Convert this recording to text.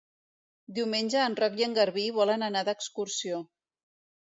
Diumenge en Roc i en Garbí volen anar d'excursió.